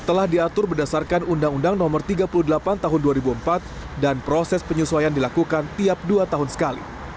telah diatur berdasarkan undang undang no tiga puluh delapan tahun dua ribu empat dan proses penyesuaian dilakukan tiap dua tahun sekali